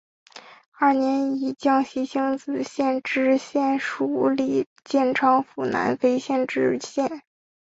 二年以江西星子县知县署理建昌府南丰县知县。